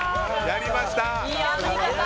やりました！